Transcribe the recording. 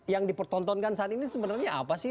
yang dipertontonkan saat ini sebenarnya apa sih